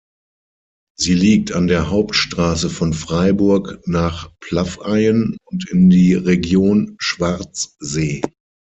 Sie liegt an der Hauptstrasse von Freiburg nach Plaffeien und in die Region Schwarzsee.